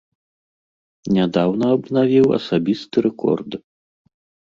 Нядаўна абнавіў асабісты рэкорд.